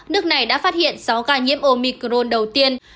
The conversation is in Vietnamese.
nước này đã phát hiện sáu ca nhiễm omicron đầu tiên